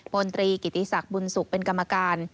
พลตรีกิติศักดิ์บุญสุขเป็นกรรมการ